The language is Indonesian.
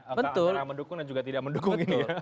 angka angka yang mendukung dan juga yang tidak mendukung ini ya